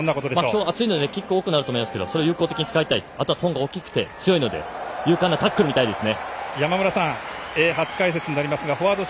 今日は暑いので厳しい試合になるかと思いますがそれを有効的に使いたいトンガは大きくて強いので勇敢なタックルを見たいです。